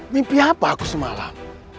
mimpi apa aku semalam